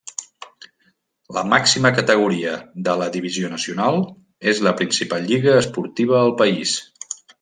La màxima categoria de la Divisió Nacional és la principal lliga esportiva al país.